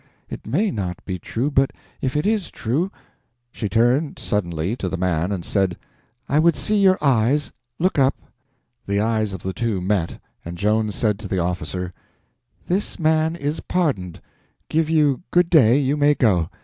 It may not be true, but if it is true—" She turned suddenly to the man and said, "I would see your eyes—look up!" The eyes of the two met, and Joan said to the officer, "This man is pardoned. Give you good day; you may go."